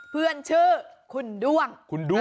เพื่อนชื่อคุณด้วง